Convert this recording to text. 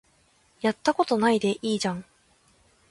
やったことないでいいじゃん